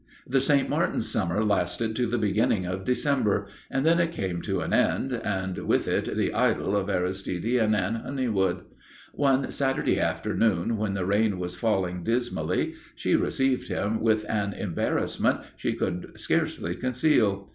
The Saint Martin's summer lasted to the beginning of December, and then it came to an end, and with it the idyll of Aristide and Anne Honeywood. One Saturday afternoon, when the rain was falling dismally, she received him with an embarrassment she could scarcely conceal.